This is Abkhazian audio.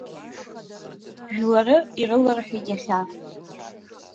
Жәлары ирыларҳәеит иахьа.